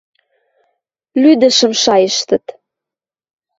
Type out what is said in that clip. Лӱдӹшӹм шайыштыт.